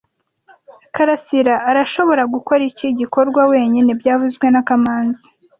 Karasira arashobora gukora iki gikorwa wenyine byavuzwe na kamanzi